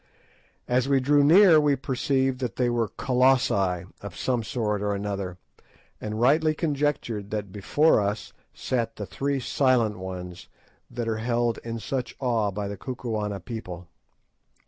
As we drew near we perceived that they were Colossi of some sort or another, and rightly conjectured that before us sat the three "Silent Ones" that are held in such awe by the Kukuana people.